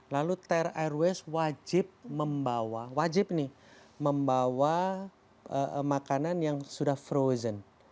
lalu ter airways wajib membawa wajib nih membawa makanan yang sudah frozen